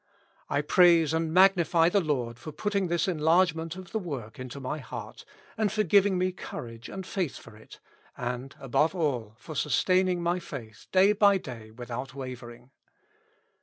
I praise and magnify the IvOrd for putting this enlargement of the work into my heart, and for giving me courage and faith for it ; and above all, for sustaining my faith day by day without wavering.